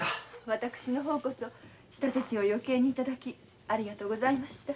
私の方こそ仕立賃を余計に頂きありがとうございました。